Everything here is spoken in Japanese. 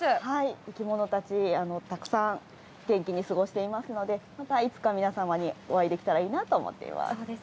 生き物たち、たくさん元気に過ごしていますので、またいつか皆様にお会いできたらいいなと思っています。